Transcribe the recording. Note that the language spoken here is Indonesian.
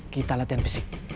kita latihan fisik